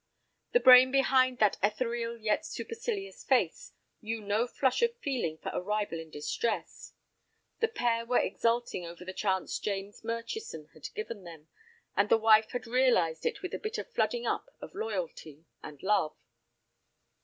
The brain behind that ethereal yet supercilious face knew no flush of feeling for a rival in distress. The pair were exulting over the chance James Murchison had given them, and the wife had realized it with a bitter flooding up of loyalty and love.